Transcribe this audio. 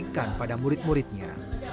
dan berikan pada murid muridnya